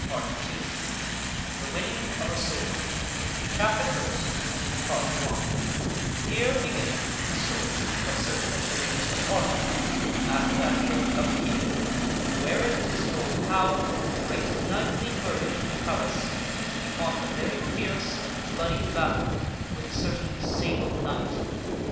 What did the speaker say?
PART II The Winning of a Sword TTERE beginneth the story of certain adventures of Arthur after that he had become King, wherein it is told how, with great knightly courage and prowess, he fought a very fierce and bloodly battle with a certain Sable Knight.